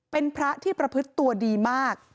เป็นพระที่ประพฤติตัวดีมาก